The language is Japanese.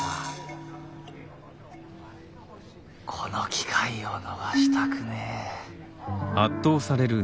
この機会を逃したくねえ。